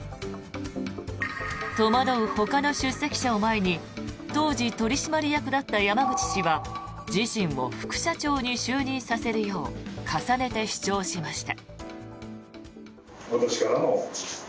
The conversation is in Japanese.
戸惑うほかの出席者を前に当時、取締役だった山口氏は自身を副社長に就任させるよう重ねて主張しました。